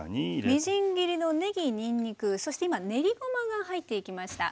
みじん切りのねぎにんにくそして今練りごまが入っていきました。